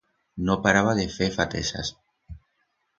No paraba de fer fatezas.